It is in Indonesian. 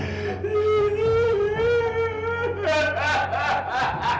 ibu bapak kenapa